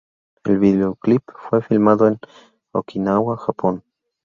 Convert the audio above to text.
El videoclip fue filmado en Okinawa, Japón.